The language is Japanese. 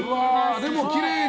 でもきれいに。